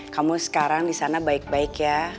kamu sekarang disana baik baik ya